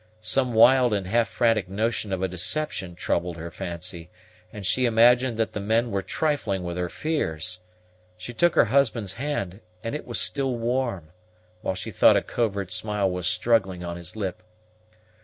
Some wild and half frantic notion of a deception troubled her fancy, and she imagined that the men were trifling with her fears. She took her husband's hand, and it was still warm, while she thought a covert smile was struggling on his lip.